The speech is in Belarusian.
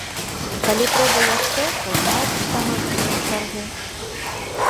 Калі трэба яшчэ, то зноўку становішся ў чаргу.